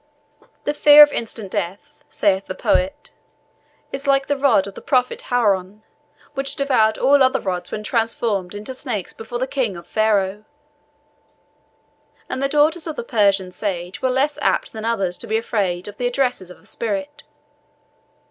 The fear of instant death, saith the poet, is like the rod of the prophet Haroun, which devoured all other rods when transformed into snakes before the King of Pharaoh; and the daughters of the Persian sage were less apt than others to be afraid of the addresses of a spirit.